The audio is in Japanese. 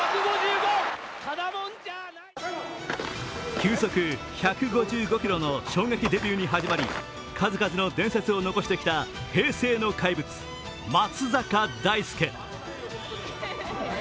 球速１５５キロの衝撃デビューに始まり数々の伝説を残してきた平成の怪物・松坂大輔。